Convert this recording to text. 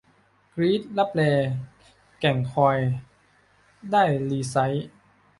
กรี๊ด !'ลับแล แก่งคอย' ได้ซีไรต์ !